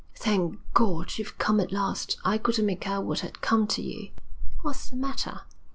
'Thank God, you've come at last! I couldn't make out what had come to you.' 'What's the matter?'